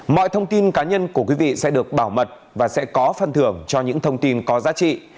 mọi thông tin cá nhân của quý vị sẽ được bảo mật và sẽ có phân thưởng cho những thông tin có giá trị